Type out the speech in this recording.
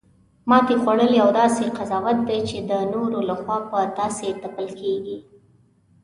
ماتې خوړل یو داسې قضاوت دی، چی د نورو لخوا په تاسې تپل کیږي